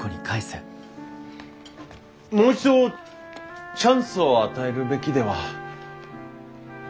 もう一度チャンスを与えるべきでは。